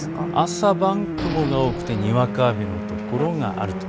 朝晩雲が多くてにわか雨の所があると。